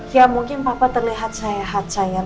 ya mungkin papa terlihat sehat sayang